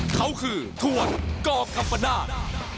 เขาคือถวดกกัมปะนาด